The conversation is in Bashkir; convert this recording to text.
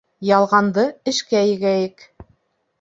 Ялғанды эшкә егәйек.